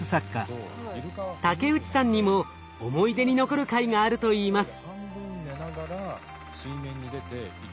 竹内さんにも思い出に残る回があるといいます。